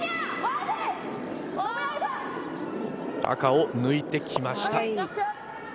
赤を抜いてきました。